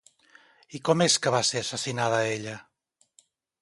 I com és que va ser assassinada ella?